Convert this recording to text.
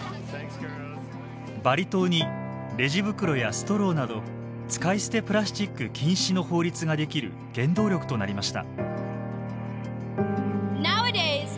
バリ島にレジ袋やストローなど使い捨てプラスチック禁止の法律が出来る原動力となりました。